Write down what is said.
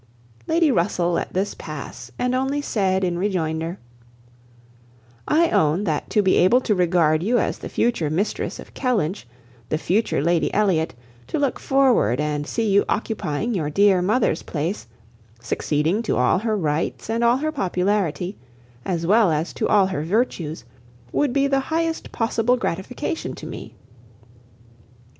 Lady Russell let this pass, and only said in rejoinder, "I own that to be able to regard you as the future mistress of Kellynch, the future Lady Elliot, to look forward and see you occupying your dear mother's place, succeeding to all her rights, and all her popularity, as well as to all her virtues, would be the highest possible gratification to me.